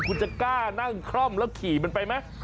คุณจะก้านะคะล่้มแล้วขี่มันไปมั้ย